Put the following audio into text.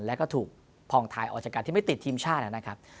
แล้วก็ถูกผ่องทายออกจากการที่ไม่ติดทีมชาตินะครับ